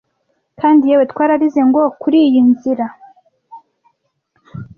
'Kandi yewe, twararize, ngo kuriyi nzira